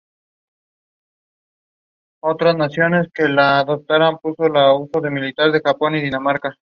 Se pueden dividir en tres tipos de eventos.